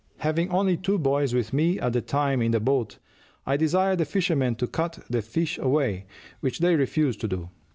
Having only two boys with me at the time in the boat, I desired the fishermen to cut the fish away, which they refused to do.